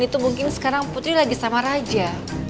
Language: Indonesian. itu mungkin sekarang putri lagi sama raja